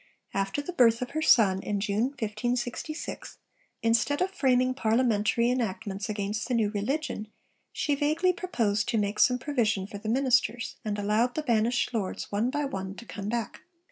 After the birth of her son in June 1566, instead of framing Parliamentary enactments against the new religion, she vaguely proposed to make some provision for the ministers, and allowed the banished lords, one by one, to come back.